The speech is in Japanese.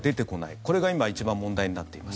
これが今一番問題になっています。